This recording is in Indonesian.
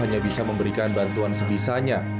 hanya bisa memberikan bantuan sebisanya